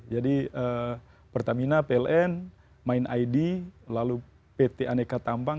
jadi pertamina pln main id lalu pt aneka tampang